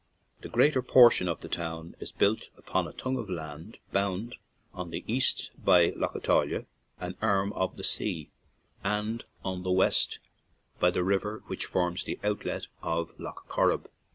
The greater portion of the town is built upon a tongue of land bounded on the east by Lough Athalia, an arm of the sea, and on the west by the river which forms the outlet of Lough Corrib.